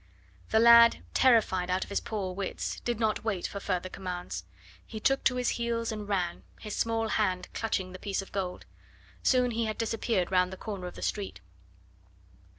The lad, terrified out of his poor wits, did not wait for further commands; he took to his heels and ran, his small hand clutching the piece of gold. Soon he had disappeared round the corner of the street.